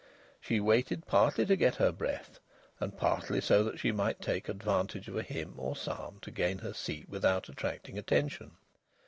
She waited partly to get her breath, and partly so that she might take advantage of a hymn or a psalm to gain her seat without attracting attention.